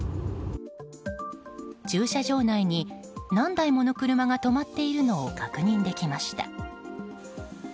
駐車場内に何台もの車が止まっているのを確認できました。